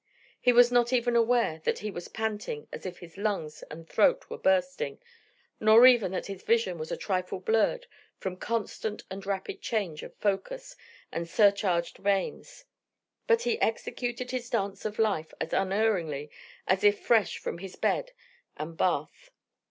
He was not even aware that he was panting as if his lungs and throat were bursting, nor even that his vision was a trifle blurred from constant and rapid change of focus and surcharged veins. But he executed his dance of life as unerringly as if fresh from his bed and bath.